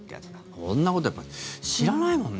こんなことやっぱり知らないもんね。